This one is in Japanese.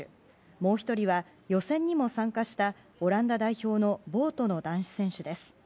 もう１人は、予選にも参加したオランダ代表のボートの男子選手です。